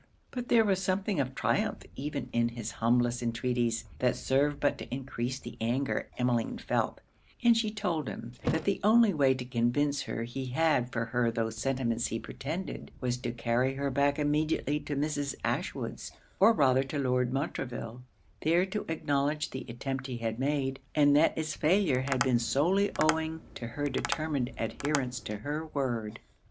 But there was something of triumph even in his humblest entreaties, that served but to encrease the anger Emmeline felt; and she told him that the only way to convince her he had for her those sentiments he pretended, was to carry her back immediately to Mrs. Ashwood's, or rather to Lord Montreville, there to acknowledge the attempt he had made, and that it's failure had been solely owing to her determined adherence to her word.